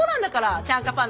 チャンカパーナ？